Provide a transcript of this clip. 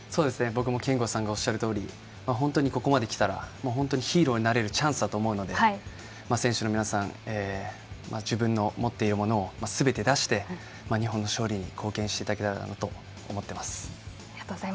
僕も憲剛さんがおっしゃるとおり本当にここまできたらヒーローになれるチャンスだと思うので選手の皆さん自分の持っているものをすべて出して日本の勝利に貢献していただけたらと思っています。